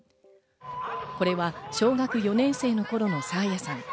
これは小学４年生の頃の爽彩さん。